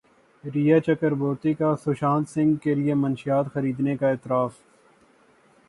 ریا چکربورتی کا سشانت سنگھ کے لیے منشیات خریدنے کا اعتراف